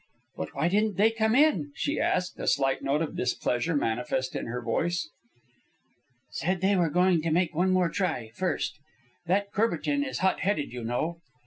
"But why didn't they come in?" she asked, a slight note of displeasure manifest in her voice. "Said they were going to make one more try, first. That Courbertin is hot headed, you know."